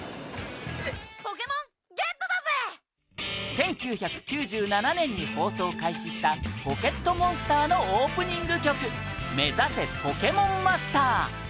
１９９７年に放送開始した『ポケットモンスター』のオープニング曲『めざせポケモンマスター』